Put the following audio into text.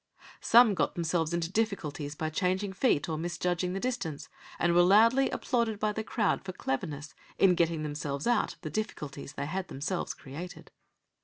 Some got themselves into difficulties by changing feet or misjudging the distance, and were loudly applauded by the crowd for "cleverness" in getting themselves out of the difficulties they had themselves created.